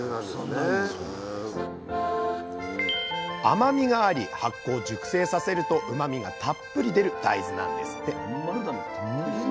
甘みがあり発酵・熟成させるとうまみがたっぷり出る大豆なんですって。